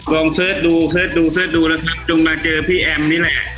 ลองเสิร์ชดูนะครับจงมาเจอพี่แอมนี่แหละ